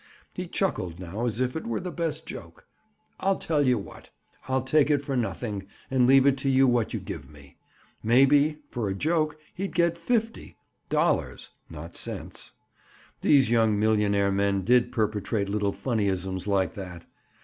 He chuckled now as if it were the best joke. "I'll tell you what—I'll take it for nothing, and leave it to you what you give me!" Maybe, for a joke, he'd get a fifty—dollars, not cents. These young millionaire men did perpetrate little funnyisms like that.